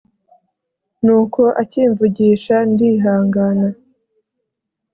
nuko akimvugisha ndihangana